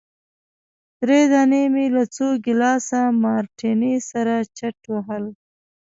درې دانې مي له څو ګیلاسه مارټیني سره چټ وهل.